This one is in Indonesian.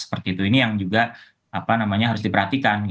seperti itu ini yang juga harus diperhatikan